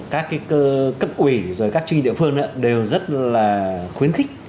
các cấp ủy rồi các tri địa phương đều rất là khuyến khích